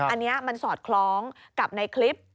อันนี้มันสอดคล้องกับในคลิป